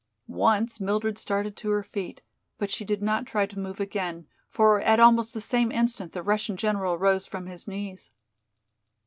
Once Mildred started to her feet, but she did not try to move again, for at almost the same instant the Russian general rose from his knees.